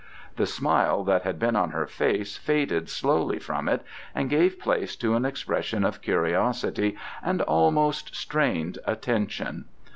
The smile that had been on her face faded slowly from it and gave place to an expression of curiosity and almost strained attention.